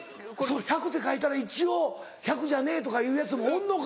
「１００％」って書いたら一応「１００％じゃねえ」とか言うヤツがおんのか！